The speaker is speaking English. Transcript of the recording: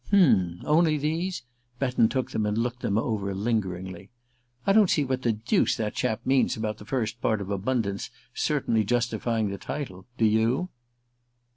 "H'm only these?" Betton took them and looked them over lingeringly. "I don't see what the deuce that chap means about the first part of 'Abundance' 'certainly justifying the title' do you?"